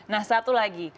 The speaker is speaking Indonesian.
nah satu lagi